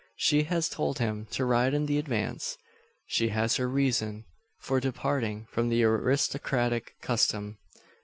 She has told him to ride in the advance. She has her reason for departing from the aristocratic custom.